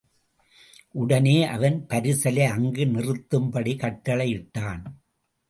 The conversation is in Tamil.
உடனே அவன் பரிசலை அங்கு நிறுத்தும்படி கட்டளையிட்டான்.